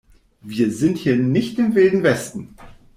Wir sind hier nicht im Wilden Westen.